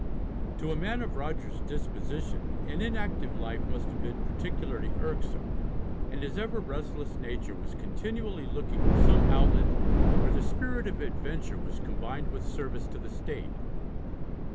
To a man of Rogers's disposition an inactive life must have been particularly irksome, and his ever restless nature was continually looking for some outlet where the spirit of adventure was combined with service to the state.